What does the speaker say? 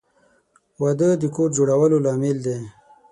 • واده د کور جوړولو لامل دی.